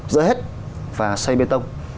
dỡ hết và xây bê tông